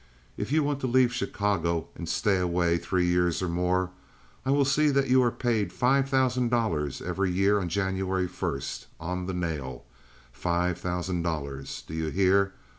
If you want to leave Chicago and stay away three years or more, I will see that you are paid five thousand dollars every year on January first—on the nail—five thousand dollars! Do you hear?